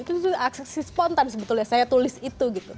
itu aksi spontan sebetulnya saya tulis itu gitu